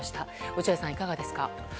落合さん、いかがですか？